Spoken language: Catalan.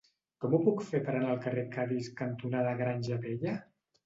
Com ho puc fer per anar al carrer Cadis cantonada Granja Vella?